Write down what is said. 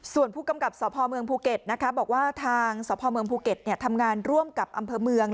ส่วนผู้กำกับสพเมืองภูเก็ตบอกว่าทางสพเมืองภูเก็ตทำงานร่วมกับอำเภอเมือง